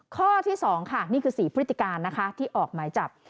ข้อที่สองค่ะนี่คือ๔พฤติการที่ออกไม้จับ